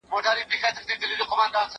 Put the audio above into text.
زه سیر نه کوم!؟